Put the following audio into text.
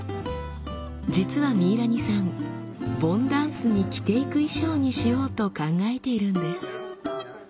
実はミイラニさん盆ダンスに着ていく衣装にしようと考えているんです。